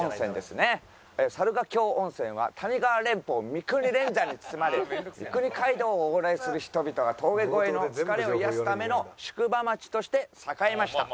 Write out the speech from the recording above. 猿ヶ京温泉は谷川連峰三国連山に包まれ三国街道を往来する人々が峠越えの疲れを癒やすための宿場町として栄えました。